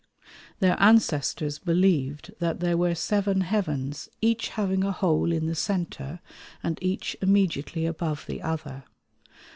Their ancestors believed that there were seven heavens, each having a hole in the centre and each immediately above the other.